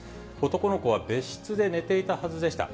男の子は別室で寝ていたはずでした。